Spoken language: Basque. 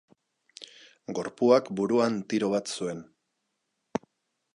Gorpuak buruan tiro bat zuen.